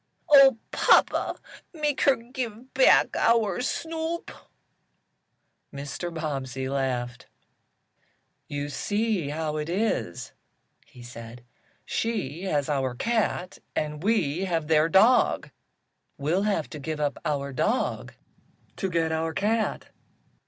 Oh, papa, make her give back our Snoop!" Mr. Bobbsey laughed. "You see how it is," he said. "She has our cat, and we have their dog. We'll have to give up our dog to get our cat."